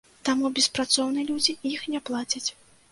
Таму беспрацоўныя людзі іх не плацяць.